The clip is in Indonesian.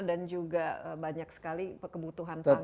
dan juga banyak sekali kebutuhan tangan